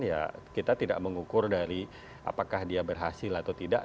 ya kita tidak mengukur dari apakah dia berhasil atau tidak